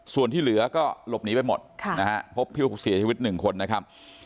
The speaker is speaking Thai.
ส่วนที่เหลือก็หลบหนีไปหมดนะฮะพบผู้เสียชีวิต๑คนนะครับ